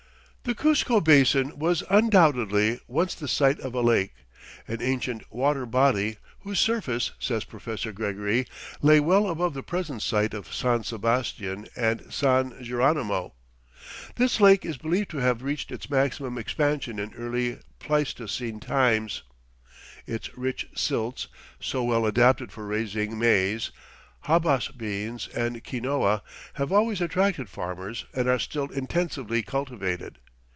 The Cuzco Basin was undoubtedly once the site of a lake, "an ancient water body whose surface," says Professor Gregory, "lay well above the present site of San Sebastian and San Geronimo." This lake is believed to have reached its maximum expansion in early Pleistocene times. Its rich silts, so well adapted for raising maize, habas beans, and quinoa, have always attracted farmers and are still intensively cultivated.